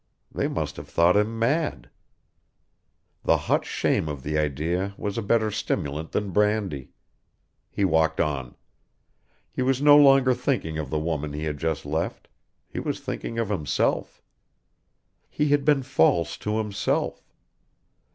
They must have thought him mad. The hot shame of the idea was a better stimulant than brandy. He walked on. He was no longer thinking of the woman he had just left. He was thinking of himself. He had been false to himself.